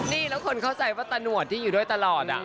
นี่แล้วคนเข้าใจว่าตะหนวดที่อยู่ด้วยตลอด